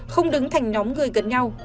không đứng thành nhóm người gần nhau